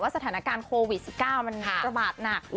สถานการณ์โควิด๑๙มันระบาดหนัก